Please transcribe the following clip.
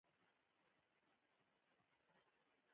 زه پوهېږم چې کونیګاک د اتلانو څښاک دی.